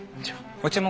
ご注文